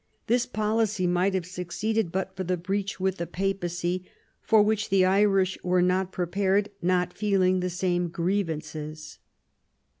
This policy might have succeeded but for the breach with the Papacy, for which the Irish were not prepared, not feeling the same grievances.